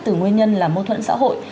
từ nguyên nhân là mâu thuẫn xã hội